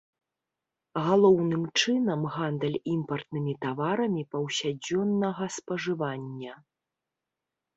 Галоўным чынам гандаль імпартнымі таварамі паўсядзённага спажывання.